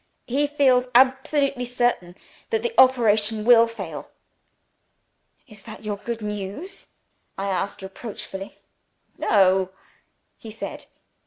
He feels absolutely certain that the operation will fail." "Is that your good news?" I asked reproachfully. "No," he said.